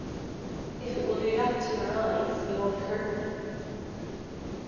"If it will do that to her eyes, it won't hurt me."